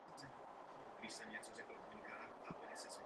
Černé číslo na žlutém podkladu v dolní části určuje výši omezení rychlosti.